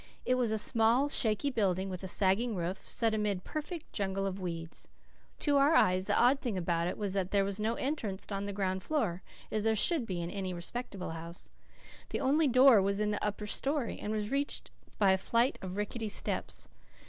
It was a small, shaky building with a sagging roof, set amid a perfect jungle of weeds. To our eyes, the odd thing about it was that there was no entrance on the ground floor, as there should be in any respectable house. The only door was in the upper story, and was reached by a flight of rickety steps.